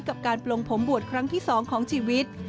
กับการปลงผมบวชครั้งที่๒ของชีวิต